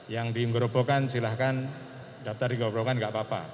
yang di ngerobokan silahkan daftar di ngerobokan gak apa apa